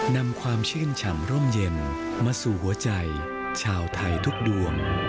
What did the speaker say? นำความชื่นฉ่ำร่มเย็นมาสู่หัวใจชาวไทยทุกดวง